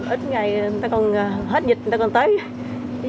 ít ngày hết dịch người ta còn tới